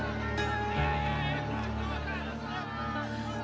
tuh tuh tuh